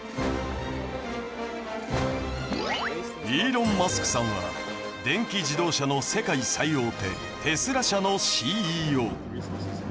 イーロン・マスクさんは電気自動車の世界最大手テスラ社のＣＥＯ。